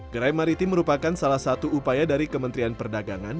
gerai maritim merupakan salah satu upaya dari kementerian perdagangan